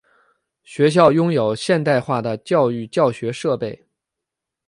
学校拥有现代化的教育教学设备。